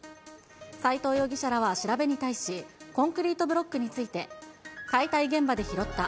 斉藤容疑者らは調べに対し、コンクリートブロックについて、解体現場で拾った。